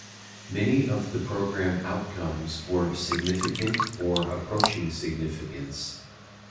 Many of the program outcomes were significant or approaching significance.